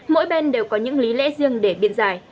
mỗi bên đều có những lý lẽ riêng để biện giải